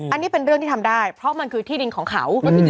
อันนี้เป็นเรื่องที่ทำได้เพราะมันคือที่ดินของเขา